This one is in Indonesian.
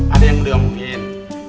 ada yang boleh omongin